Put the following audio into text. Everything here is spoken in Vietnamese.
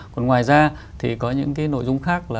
còn ngoài ra thì có những cái nội dung khác